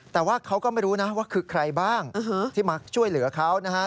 แต่ว่าเขาก็ไม่รู้นะว่าคือใครบ้างที่มาช่วยเหลือเขานะฮะ